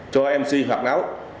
cho mc hoạt áo